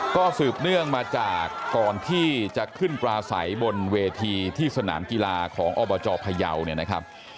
ก็สืบเนื่องมาจากก่อนที่จะขึ้นปลาใสบนเวทีที่สนามกีฬาของอบจพยาวเนี่ยนะครับ